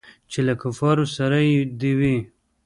چې له کفارو سره دې وي.